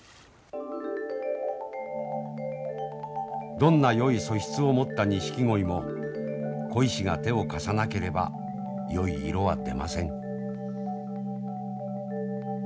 どんなよい素質を持ったニシキゴイも鯉師が手を貸さなければよい色は出ません。